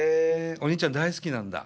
お兄ちゃん大好きなんだ。